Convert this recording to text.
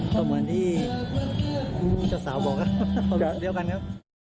ตรงวันที่เจ้าสาวบอกนะเพราะว่าสุขเดียวกันครับ